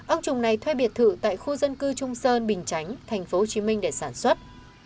ông trùng này thuê biệt thự tại khu dân cư trung sơn bình chánh tp hcm để sản xuất